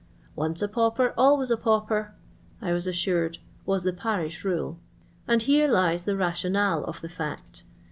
Once a pauper always a pnupor," I was assured was the parish rule ; and here lii'S the rationale of the fact.